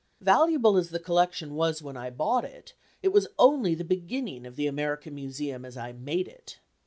Valuable as the collection was when I bought it, it was only the beginning of the American Museum as I made it.